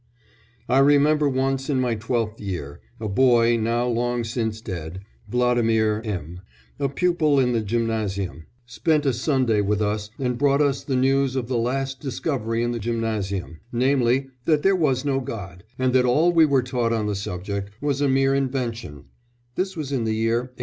"I remember once in my twelfth year, a boy, now long since dead, Vladimir M , a pupil in the gymnasium, spent a Sunday with us and brought us the news of the last discovery in the gymnasium namely, that there was no God, and that all we were taught on the subject was a mere invention (this was in the year 1838).